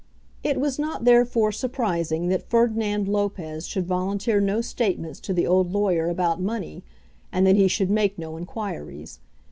It was not, therefore, surprising that Ferdinand Lopez should volunteer no statements to the old lawyer about money, and that he should make no inquiries.